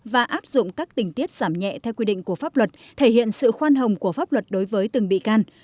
và áp dụng các tình tiết giảm nhẹ theo quy định của pháp luật thể hiện sự khoan hồng của pháp luật đối với từng bị can